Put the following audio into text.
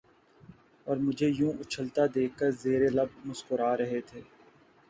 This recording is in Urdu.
اور مجھے یوں اچھلتا دیکھ کر زیرلب مسکرا رہے تھے